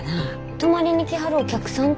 泊まりに来はるお客さんて。